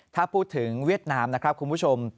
ถ้าพูดถึงเวียดนามนะครับคุณผู้ชม